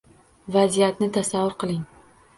Vaziyatni tasavvur qiling.